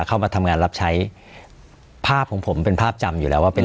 เข้ามาทำงานรับใช้ภาพของผมเป็นภาพจำอยู่แล้วว่าเป็น